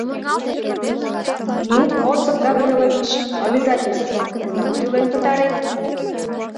— Ну, Осып Гаврилович, обязательствым кунам тӱлен пытарет?